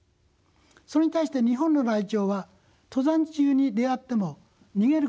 それに対して日本のライチョウは登山中に出会っても逃げることはしません。